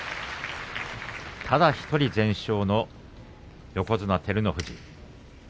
ただ１人全勝の横綱照ノ富士。